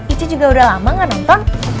ici juga udah lama gak nonton